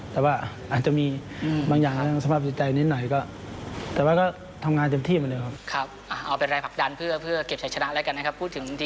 เพราะฉะนั้นทีมชาติไทยเราก็พร้อมสมควรครับ